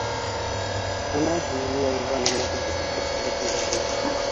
— Ана, Юлия Ивановна килде, — тип ҡысҡырып ебәрҙе.